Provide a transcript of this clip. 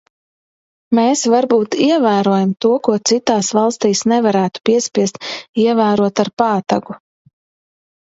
Mēs varbūt ievērojam to, ko citās valstīs nevarētu piespiest ievērot ar pātagu.